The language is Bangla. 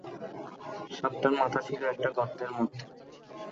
সাপটার মাথা ছিল একটা গর্তের মধ্যে।